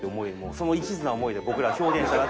その一途な思いで僕ら表現しただけです。